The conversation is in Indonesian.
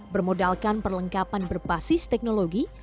bermodalkan perlengkapan berbasis teknologi